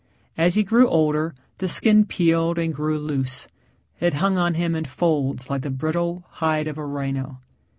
As he grew older the skin peeled and grew loose. It hung on him in folds like the brittle hide of a rhino.